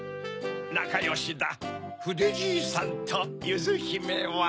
なかよしだふでじいさんとゆずひめは。